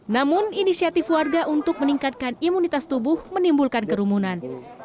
namun inisiatif warga untuk meningkatkan imunitas tubuh menimbulkan kerumunan